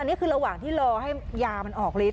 อันนี้คือระหว่างที่รอให้ยามันออกฤทธ